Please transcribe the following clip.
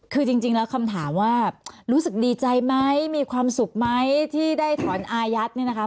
คือจริงแล้วคำถามว่ารู้สึกดีใจไหมมีความสุขไหมที่ได้ถอนอายัดเนี่ยนะคะ